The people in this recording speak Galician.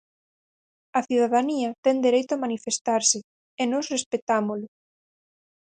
A cidadanía ten dereito a manifestarse, e nós respectámolo.